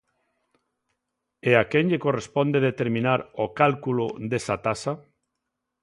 ¿E a quen lle corresponde determinar o cálculo desa taxa?